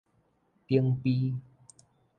頂埤